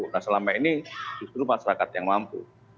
nah selama ini justru masyarakat yang mampu